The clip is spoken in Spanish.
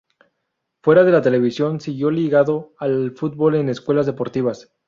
Fuera de la televisión, siguió ligado al fútbol en escuelas deportivas.